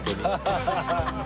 ハハハハ！